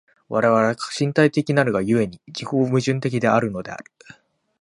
我々は身体的なるが故に、自己矛盾的であるのである。